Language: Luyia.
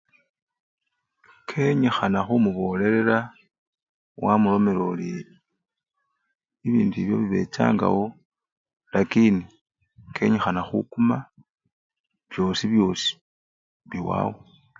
Kenyikhana khumubolelela wamulomela oli, bibindu ebyo bibechangawo lakini kenyikhana khukuma byosi byosi biwawo.